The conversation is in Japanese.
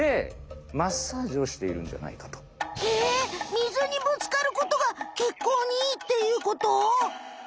みずにぶつかることがけっこうにいいっていうこと？